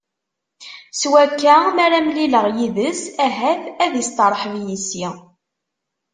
S wakka, mi ara mlileɣ yid-s, ahat ad isteṛḥeb yis-i.